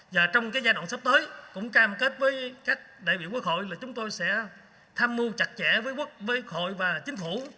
và trong giai đoạn sắp tới cũng cam kết với các đại biểu quốc hội là chúng tôi sẽ tham mưu chặt chẽ với hội và chính phủ